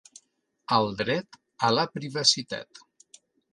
El dret a la privacitat.